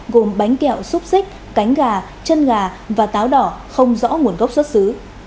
gồm bánh kẹo xúc xích cánh gà chân gà và táo đỏ không rõ nguồn gốc xuất xứ